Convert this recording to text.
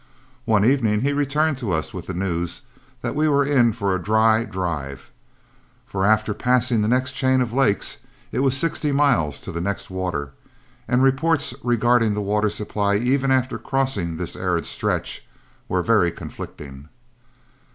One evening he returned to us with the news that we were in for a dry drive, for after passing the next chain of lakes it was sixty miles to the next water, and reports regarding the water supply even after crossing this arid stretch were very conflicting.